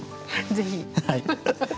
ぜひ。